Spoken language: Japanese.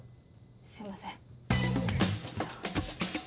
すいません。